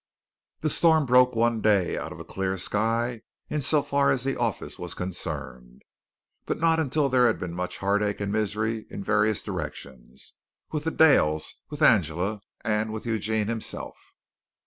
The storm broke one day out of a clear sky, in so far as the office was concerned, but not until there had been much heartache and misery in various directions with the Dales, with Angela, and with Eugene himself.